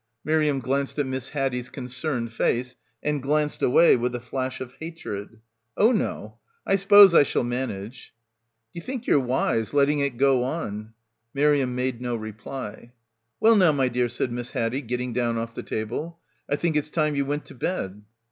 Miriam glanced at Miss Haddie's concerned face and glanced away with a flash of hatred. "Oh no. I s'pose I shall manage." "D'ye think yer wise — letting it go on?" Miriam made no reply. "Well now, my dear," said Miss Haddie, getting down off the table, "I think it's time ye went to bed."